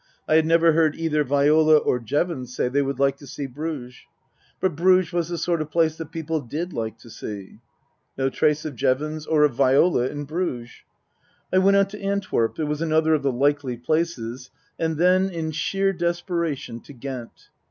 I had never heard either Viola or Jevons say they would like to see Bruges. But Bruges was the sort of place that people did like to see. No trace of Jevons or of Viola in Bruges. I went on to Antwerp (it was another of the likely places), and then, in sheer desperation, to Ghent.